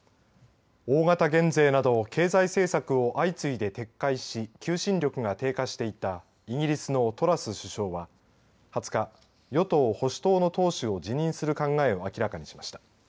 大型減税など経済政策を相次いで撤回し求心力が低下していたイギリスのトラス首相は２０日、与党・保守党の党首を辞任する考えを明らかにしました。